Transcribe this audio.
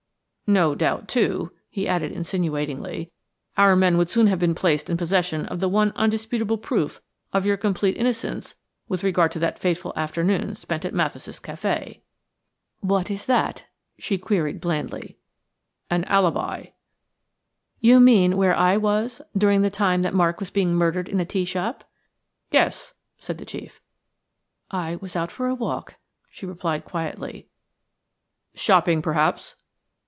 No doubt, too," he added insinuatingly, "our men would soon have been placed in possession of the one undisputable proof of your complete innocence with regard to that fateful afternoon spent at Mathis' café." "What is that?" she queried blandly. "An alibi." "You mean, where I was during the time that Mark was being murdered in a tea shop?" "Yes," said the chief. "I was out for a walk," she replied quietly. "Shopping, perhaps?"